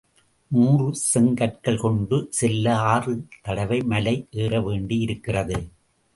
நூறு செங்கற்கள் கொண்டு செல்ல ஆறு தடவை மலை ஏறவேண்டியிருக்கிறது.